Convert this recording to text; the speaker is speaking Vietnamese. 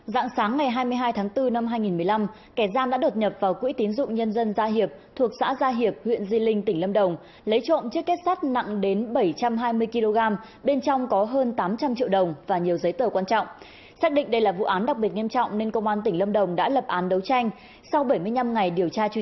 các bạn hãy đăng ký kênh để ủng hộ kênh của chúng mình nhé